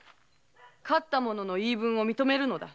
勝った者の言い分を認めるのだ。